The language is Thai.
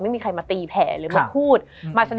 มันทำให้ชีวิตผู้มันไปไม่รอด